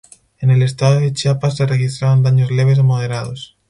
En el estado de Chiapas, se registraron daños leves o moderados.